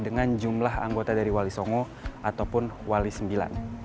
dengan jumlah anggota dari wali songo ataupun wali sembilan